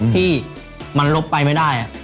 ที่มันลบไปไม่ได้